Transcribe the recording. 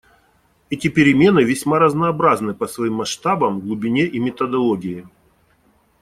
Эти перемены весьма разнообразны по своим масштабам, глубине и методологии.